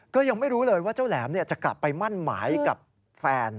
ก็ยังไม่รู้เลยว่าเจ้าแหลมจะกลับไปมั่นหมายกับแฟน